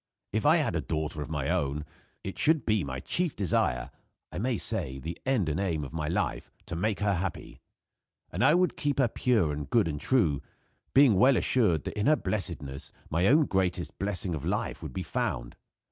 If I had a daughter of my own, it should be my chief desire I may say, the end and aim of my life, to make her happy. I would keep her pure, and good and true; being well assured that in her blessedness my own greatest blessing of life would be found.